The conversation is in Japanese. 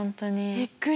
びっくり！